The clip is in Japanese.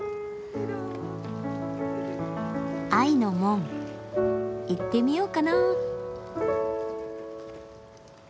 愛の門行ってみようかな。